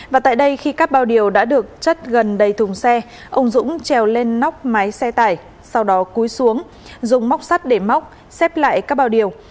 và tại đây khi các bao điều đã được chất gần đầy thùng xe ông dũng trèo lên nóc máy xe tải sau đó cúi xuống dùng móc sắt để móc xếp lại các bao điều